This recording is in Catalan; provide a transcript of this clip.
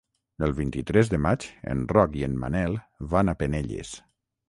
El vint-i-tres de maig en Roc i en Manel van a Penelles.